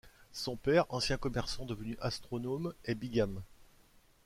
Son père, ancien commerçant devenu astronome, est bigame.